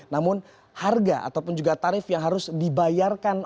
namun harga ataupun juga tarif yang harus dibayarkan